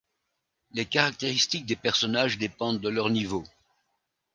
Les caractéristiques des personnages dépendent de leur niveau.